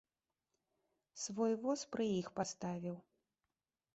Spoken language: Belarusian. Свой воз пры іх паставіў.